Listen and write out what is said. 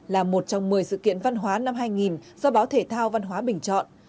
là một trong một mươi sự kiện văn hóa năm hai nghìn do báo thể thao văn hóa bình chọn